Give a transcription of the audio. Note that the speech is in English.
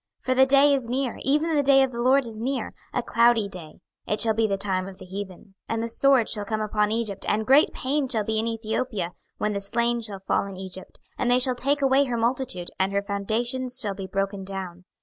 26:030:003 For the day is near, even the day of the LORD is near, a cloudy day; it shall be the time of the heathen. 26:030:004 And the sword shall come upon Egypt, and great pain shall be in Ethiopia, when the slain shall fall in Egypt, and they shall take away her multitude, and her foundations shall be broken down.